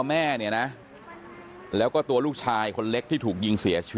อายุ๑๐ปีนะฮะเขาบอกว่าเขาก็เห็นถูกยิงนะครับ